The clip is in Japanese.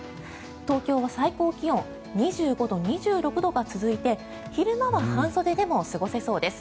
東京は最高気温２５度、２６度が続いて昼間は半袖でも過ごせそうです。